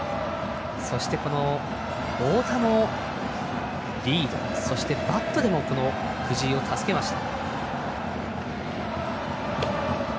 そして、太田のリードバットでも藤井を助けました。